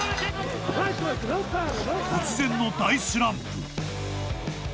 ［突然の大スランプ］